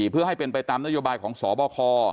เพื่อให้เป็นไปตามนโยบายของสบค